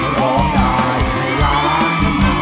ร้องได้ให้ล้าน